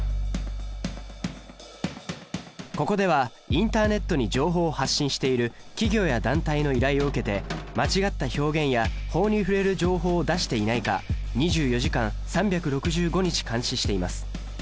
ここではインターネットに情報を発信している企業や団体の依頼を受けて間違った表現や法に触れる情報を出していないか２４時間３６５日監視しています。